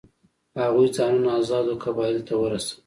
هغوی ځانونه آزادو قبایلو ته ورسول.